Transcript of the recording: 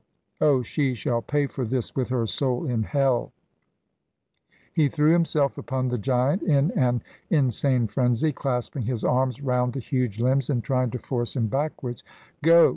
Oh, she shall pay for this with her soul in hell!" He threw himself upon the giant, in an insane frenzy, clasping his arms round the huge limbs and trying to force him backwards. "Go!